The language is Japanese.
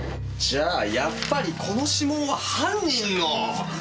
じゃあやっぱりこの指紋は犯人の！